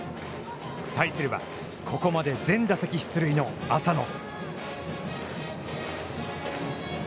対するは、ここまで全打席出塁の浅野。